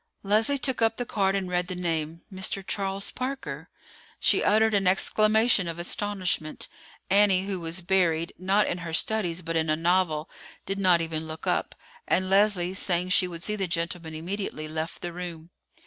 Leslie took up the card and read the name: "Mr. Charles Parker." She uttered an exclamation of astonishment. Annie, who was buried, not in her studies but in a novel, did not even look up; and Leslie, saying she would see the gentleman immediately, left the room.